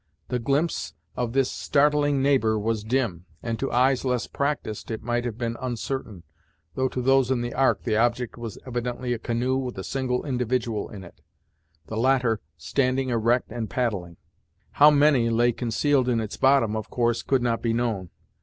The glimpse of this startling neighbor was dim, and to eyes less practised it might have been uncertain, though to those in the Ark the object was evidently a canoe with a single individual in it; the latter standing erect and paddling. How many lay concealed in its bottom, of course could not be known.